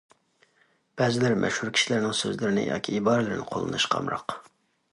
بەزىلەر مەشھۇر كىشىلەرنىڭ سۆزلىرىنى ياكى ئىبارىلىرىنى قوللىنىشقا ئامراق.